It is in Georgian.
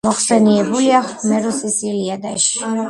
მოხსენიებულია ჰომეროსის ილიადაში.